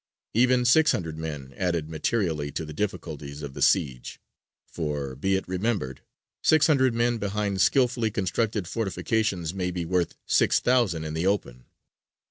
Even six hundred men added materially to the difficulties of the siege: for, be it remembered, six hundred men behind skilfully constructed fortifications may be worth six thousand in the open.